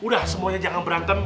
udah semuanya jangan berantem